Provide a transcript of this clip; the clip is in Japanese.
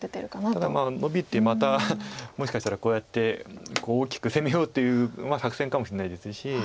ただノビてまたもしかしたらこうやって大きく攻めようという作戦かもしれないですし。